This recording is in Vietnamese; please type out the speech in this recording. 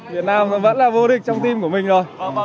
việt nam vẫn là vua địch trong team của mình rồi